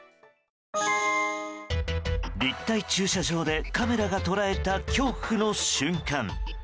立体駐車場でカメラが捉えた恐怖の瞬間。